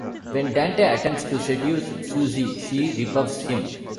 When Dante attempts to seduce Suzie, she rebuffs him.